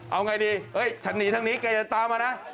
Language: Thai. เอาง่ายดีฉันหนีทั้งนี้แกจะตามมานะ